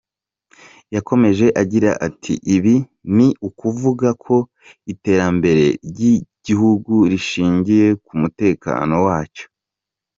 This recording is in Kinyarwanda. Yakomeje agira ati “Ibi ni ukuvuga ko iterambere ry’igihugu rishingiye ku mutekano wacyo.